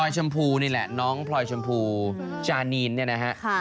ชมพูนี่แหละน้องพลอยชมพูจานีนเนี่ยนะฮะ